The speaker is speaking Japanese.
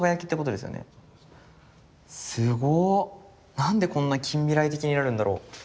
何でこんな近未来的になるんだろう？